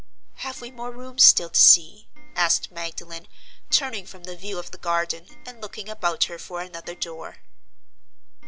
"Have we more rooms still to see?" asked Magdalen, turning from the view of the garden, and looking about her for another door.